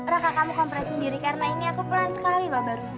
raka kamu kompres sendiri karena ini aku pelan sekali pak baru